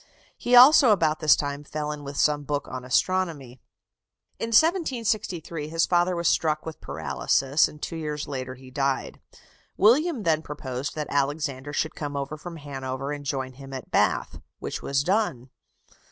He also about this time fell in with some book on astronomy. In 1763 his father was struck with paralysis, and two years later he died. William then proposed that Alexander should come over from Hanover and join him at Bath, which was done.